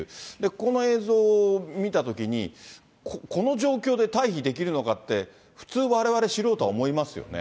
この映像を見たときに、この状況で退避できるのかって、普通、われわれ素人は思いますよね。